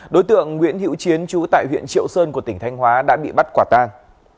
đối tượng nguyễn hiệu chiến chú tại huyện triệu sơn của tỉnh thanh hóa đã bị bắt quả tang